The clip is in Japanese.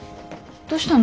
どしたの？